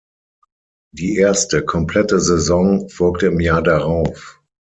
Die erste komplette Saison folgte im Jahr darauf.